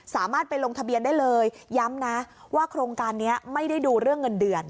สามารถไปลงทะเบียนได้เลยย้ำนะว่าโครงการนี้ไม่ได้ดูเรื่องเงินเดือน